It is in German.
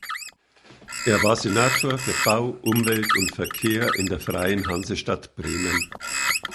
Er war Senator für Bau, Umwelt und Verkehr in der Freien Hansestadt Bremen.